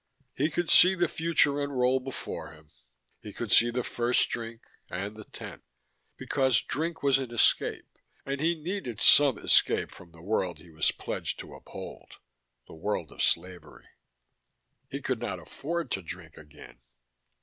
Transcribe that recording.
He could see the future unroll before him. He could see the first drink, and the tenth. Because drink was an escape, and he needed some escape from the world he was pledged to uphold, the world of slavery. He could not afford to drink again.